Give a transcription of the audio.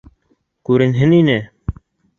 Күренһен ине...